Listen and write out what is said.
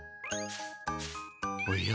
おや？